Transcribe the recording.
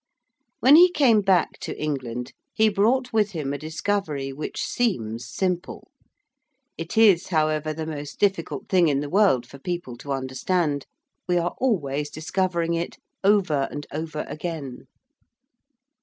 When he came back to England he brought with him a discovery which seems simple. It is, however, the most difficult thing in the world for people to understand: we are always discovering it, over and over again.